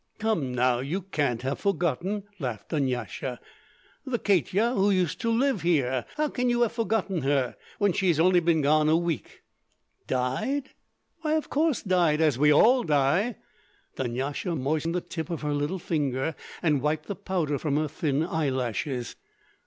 "Come, now, you can't have forgotten!" laughed Dunyasha. "The Katya who used to live here. How can you have forgotten her, when she has been gone only a week?" "Died?" "Why, of course died, as all die." Dunyasha moistened the tip of her little finger and wiped the powder from her thin eye lashes.